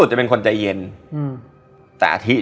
ตั๊อกไว้